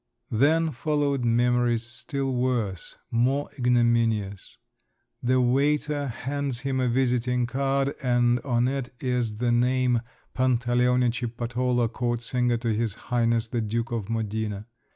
Then followed memories still worse, more ignominious … the waiter hands him a visiting card, and on it is the name, "Pantaleone Cippatola, court singer to His Highness the Duke of Modena!"